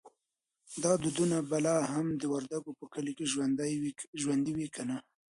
دا دودونه به لا هم د وردګو په کلیو کې ژوندی وي که نه؟